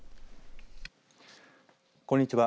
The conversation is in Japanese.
こんにちは。